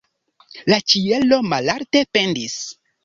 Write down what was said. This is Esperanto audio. La ĉielo malalte pendis.